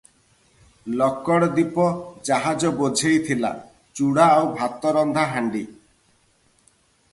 ଲକଡ଼ ଦ୍ୱୀପ ଜାହାଜ ବୋଝେଇ ଥିଲା ଚୁଡ଼ା ଆଉ ଭାତରନ୍ଧା ହାଣ୍ଡି ।